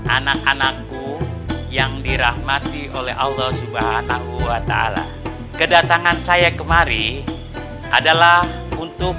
anak anakku yang dirahmati oleh allah subhanahu wa ta'ala kedatangan saya kemari adalah untuk